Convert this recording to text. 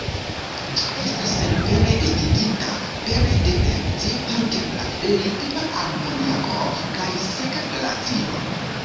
Ĝi estas senpere estigita pere de reakcio inter la likva amoniako kaj seka glacio.